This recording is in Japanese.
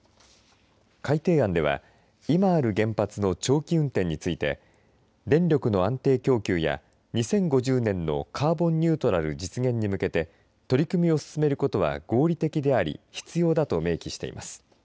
改定案では今ある原発の長期運転について電力の安定供給や、２０５０年のカーボンニュートラル実現に向けて取り組みを進めることは合理的であり必要だと明記しています。